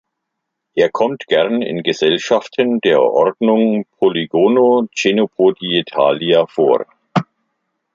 Er kommt gern in Gesellschaften der Ordnung Polygono-Chenopodietalia vor.